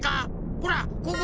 ほらここ。